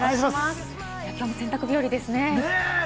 きょうも洗濯日和ですね。